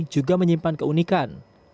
juga menyimpan keunikan